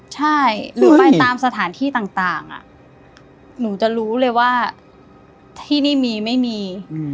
ใช่หรือไปตามสถานที่ต่างหนูจะรู้เลยว่าที่นี่มีไม่มี